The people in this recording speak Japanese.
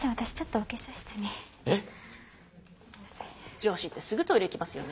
女子ってすぐトイレ行きますよね。